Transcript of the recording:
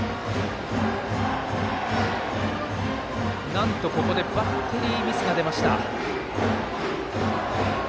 なんとここでバッテリーミスが出ました。